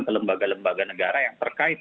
ke lembaga lembaga negara yang terkait